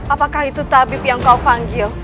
apakah itu tabib yang kau panggil